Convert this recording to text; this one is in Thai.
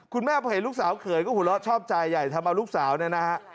พ่อเห็นลูกสาวเขยก็หัวเราะชอบใจใหญ่ทำเอาลูกสาวเนี่ยนะฮะ